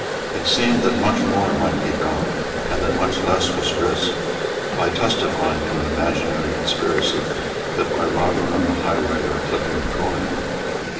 It seemed that much more might be got, and that much less was risked, by testifying to an imaginary conspiracy than by robbing on the highway or clipping the coin.